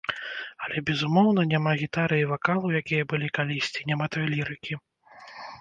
Але, безумоўна, няма гітары і вакалу, якія былі калісьці, няма той лірыкі.